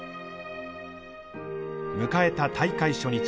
迎えた大会初日。